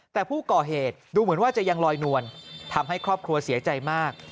แต่ผู้ก่อเหตุดูเหมือนว่าจะยังลอยนวลทำให้ครอบครัวเสียใจมาก